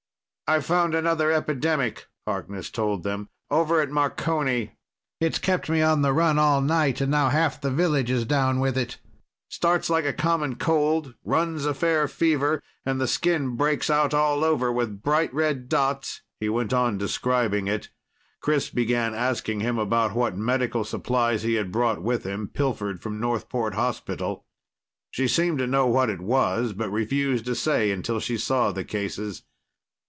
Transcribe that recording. "I've found another epidemic," Harkness told them. "Over at Marconi. It's kept me on the run all night, and now half the village is down with it. Starts like a common cold, runs a fair fever, and the skin breaks out all over with bright red dots...." He went on describing it. Chris began asking him about what medical supplies he had brought with him, pilfered from Northport hospital. She seemed to know what it was, but refused to say until she saw the cases.